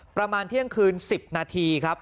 ประมาณเที่ยงคืน๑๐นาทีครับ